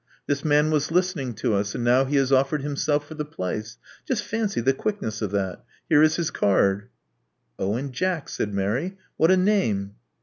This man was listening to us ; and now he has offered himself for the place. Just fancy the quickness o that. Here is his card. " Owen Jack!" said Mary.^ VWhat a name!"